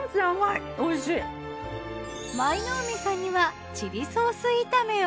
舞の海さんにはチリソース炒めを。